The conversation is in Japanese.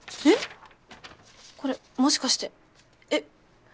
これもしかしてえっ。